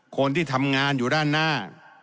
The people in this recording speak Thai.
คนที่ทำงานอยู่ด้านหน้า